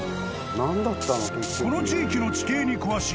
［この地域の地形に詳しい］